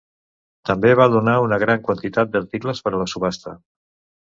També va donar una gran quantitat d'articles per a la subhasta.